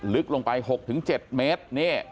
ลึกลงไป๖๗เมตร